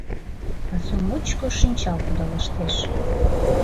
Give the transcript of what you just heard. Пасу мучко шинчал кудалыштеш.